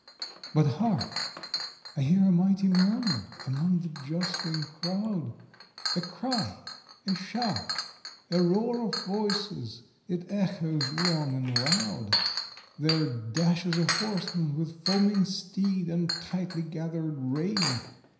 But hark! I hear a mighty murmur among the jostling crowd! A cry! a shout! a roar of voices! it echoes long and loud! There dashes a horseman with foaming steed and tightly gathered rein!